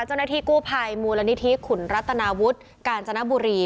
เจ้าหน้าที่กู้ภัยมูลนิธิขุนรัตนาวุฒิกาญจนบุรี